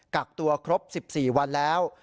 กักตัวครบ๑๔วันแล้ว